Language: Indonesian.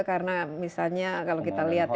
karena misalnya kalau kita lihat ya